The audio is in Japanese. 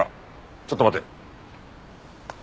ちょっと待て。